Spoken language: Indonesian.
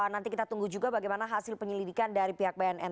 nanti kita tunggu juga bagaimana hasil penyelidikan dari pihak bnn